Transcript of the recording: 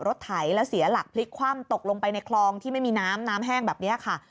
ไถแล้วเสียหลักพลิกคว่ำตกลงไปในคลองที่ไม่มีน้ำน้ำแห้งแบบนี้ค่ะ